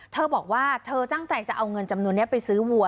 เธอบอกว่าเธอตั้งใจจะเอาเงินจำนวนนี้ไปซื้อวัว